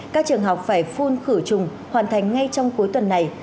các trường học phải phun khử trùng hoàn thành ngay trong cuối tuần này